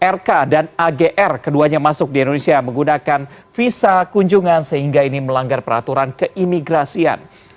rk dan agr keduanya masuk di indonesia menggunakan visa kunjungan sehingga ini melanggar peraturan keimigrasian